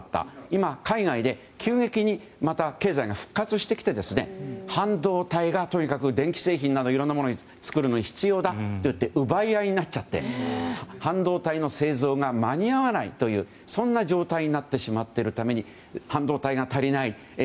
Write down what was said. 今、海外で急激にまた経済が復活してきて半導体がとにかく電気製品などいろいろなもの作るのに必要だというので奪い合いになっちゃって半導体の製造が間に合わないという状態になってしまっているために半導体が足りない。